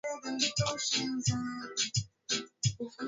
Fanya kile kina kusukuma roho yako apana kukazwa